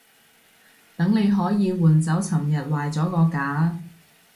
等你可以換走尋日壞咗嗰架